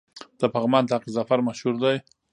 د پغمان طاق ظفر مشهور دی